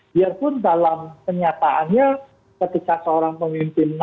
biarpun dalam kenyataannya ketika seorang pemimpin naik ke atas gitu ya